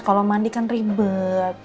kalau mandi kan ribet